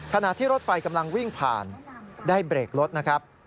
ขณะที่รถไฟกำลังวิ่งผ่านได้เบรกรถนะครับ